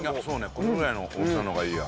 このぐらいの大きさの方がいいや。